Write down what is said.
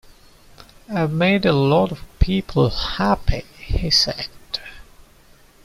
"I've made a lot of people happy," he said.